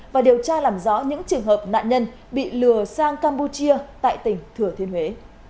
và điều tra làm rõ những trường hợp nạn nhân bị lừa sang campuchia tại tỉnh thừa thiên huế